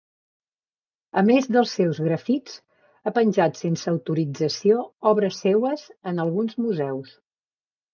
A més dels seus grafits, ha penjat sense autorització obres seues en alguns museus.